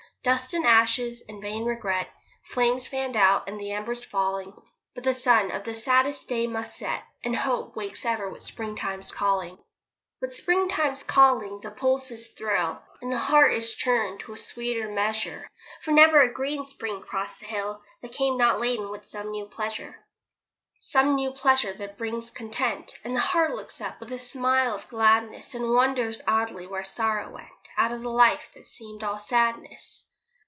Dust and ashes and vain regret, Flames fanned out, and the embers falling. But the sun of the saddest day must set, And hope wakes ever with Springtime's calling. With Springtime's calling the pulses thrill; And the heart is tuned to a sweeter measure. For never a green Spring crossed the hill That came not laden with some new pleasure. Some new pleasure that brings content; And the heart looks up with a smile of gladness, And wonders idly when sorrow went Out of the life that seemed all sadness.